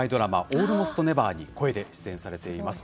「オールモスト・ネバー」で声で出演されています。